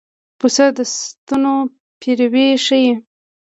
پسه د سنتو پیروي ښيي.